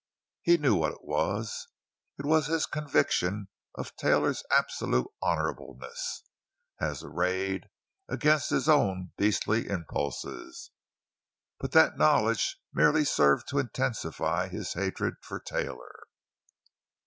He knew what it was—it was his conviction of Taylor's absolute honorableness, as arrayed against his own beastly impulses. But that knowledge merely served to intensify his hatred for Taylor.